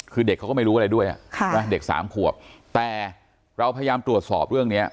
คือเด็กเขาก็ไม่รู้อะไรด้วยเด็กสามขวบแต่เราพยายามตรวจสอบเรื่องนี้